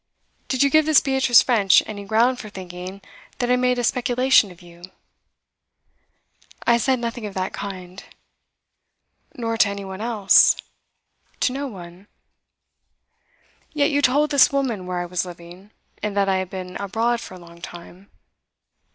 Did you give this Beatrice French any ground for thinking that I made a speculation of you?' 'I said nothing of that kind.' 'Nor to any one else?' 'To no one.' 'Yet you told this woman where I was living, and that I had been abroad for a long time.